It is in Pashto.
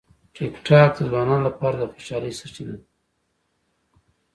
ټیکټاک د ځوانانو لپاره د خوشالۍ سرچینه ده.